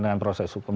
dengan proses hukum